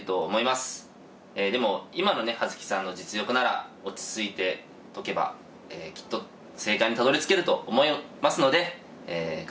でも今のね葉月さんの実力なら落ち着いて解けばきっと正解にたどりつけると思いますので頑張ってください。